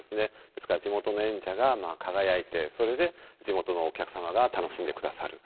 ですから地元の演者がまあ輝いてそれで地元のお客様が楽しんでくださる。